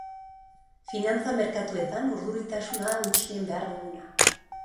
Finantza merkatuetan urduritasuna da gutxien behar duguna.